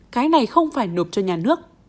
cái này không phải nộp cho nhà nước